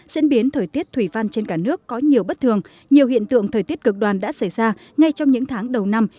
diễn biến thời tiết thủy văn trên cả nước có nhiều bất thường nhiều hiện tượng thời tiết cực đoan đã xảy ra ngay trong những tháng đầu năm